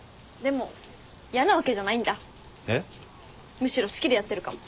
むしろ好きでやってるかも。